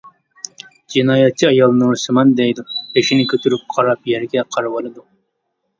جىنايەتچى ئايال:-نۇرسىمان، دەيدۇ بېشىنى كۆتۈرۈپ قاراپ يەرگە قارىۋالىدۇ.